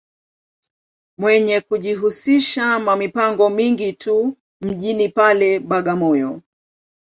Mwenye kujihusisha ma mipango mingi tu mjini pale, Bagamoyo.